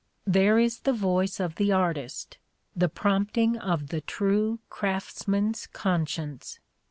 There is the voice of the artist, the prompting of the true craftsman's conscience.